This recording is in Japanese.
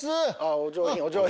お上品！